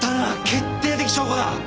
決定的証拠だ。